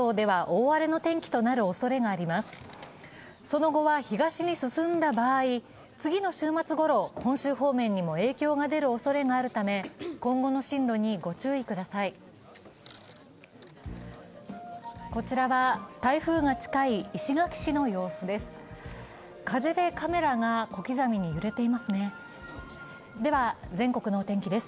こちらは台風が近い石垣市の様子です。